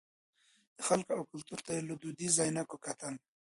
د خلکو او کلتور ته یې له دودیزو عینکو کتل.